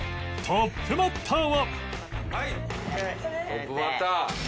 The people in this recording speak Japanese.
トップバッター！